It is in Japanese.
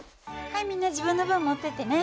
はいみんな自分の分持ってってね。